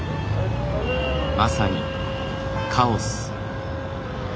まさにカオス。